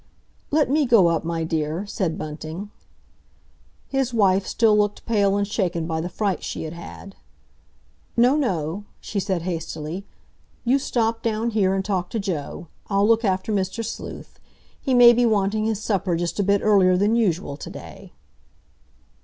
"Let me go up, my dear," said Bunting. His wife still looked pale and shaken by the fright she had had. "No, no," she said hastily. "You stop down here, and talk to Joe. I'll look after Mr. Sleuth. He may be wanting his supper just a bit earlier than usual to day."